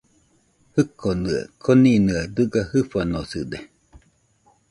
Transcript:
Jikonɨa koninɨaɨ dɨga jɨfanosɨde